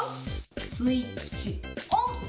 スイッチオン。